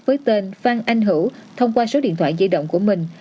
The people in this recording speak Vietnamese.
với tên phan anh hữu thông qua số điện thoại di động của mình